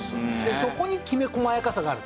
そこにきめ細やかさがあると。